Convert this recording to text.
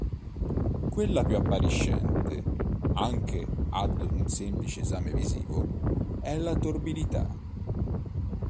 Quella più appariscente, anche ad un semplice esame visivo, è la torbidità.